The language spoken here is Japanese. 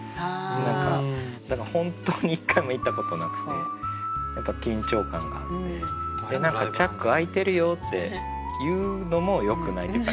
何か本当に１回も行ったことなくてやっぱり緊張感があって何かチャック開いてるよって言うのもよくないっていうか。